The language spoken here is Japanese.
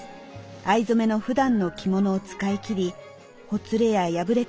藍染めのふだんの着物を使い切りほつれや破れ加減